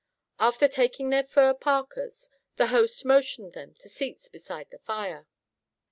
After taking their fur parkas, the host motioned them to seats beside the fire.